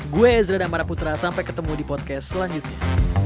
gue ezra damaraputra sampai ketemu di podcast selanjutnya